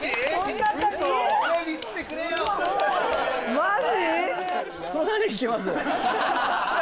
マジ！？